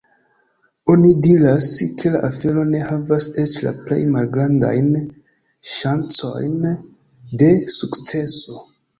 Oni diras, ke la afero ne havas eĉ la plej malgrandajn ŝancojn de sukceso.